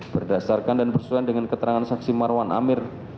berdasarkan dan bersuaian dengan keterangan saksi marwan amir